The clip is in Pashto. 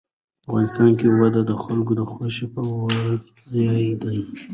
افغانستان کې وادي د خلکو د خوښې وړ ځای دی.